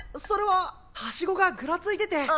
それはハシゴがぐらついてて。